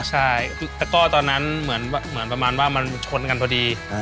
ใช่ตะก้อตอนนั้นเหมือนประมาณว่ามันชนกันพอดี